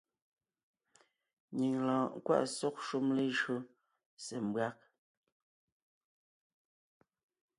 Nyìŋ lɔɔn nkwaʼ sɔ́g shúm lejÿó se mbÿág.